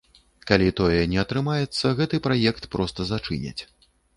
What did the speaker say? Калі тое не атрымаецца, гэты праект проста зачыняць.